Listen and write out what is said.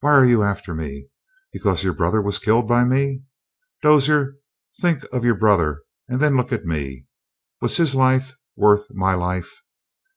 Why are you after me? Because your brother was killed by me. Dozier, think of your brother and then look at me. Was his life worth my life?